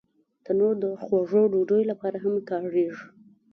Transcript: تنور د خوږو ډوډیو لپاره هم کارېږي